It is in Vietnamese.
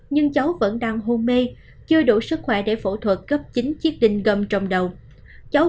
nhưng cháu vẫn đang hôn mê chưa đủ sức khỏe để phẫu thuật gấp chín chiếc đinh gầm trong đầu cháu